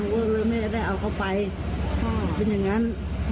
มึงก็ไม่ได้เอาเข้าไปเป็นอย่างนั้น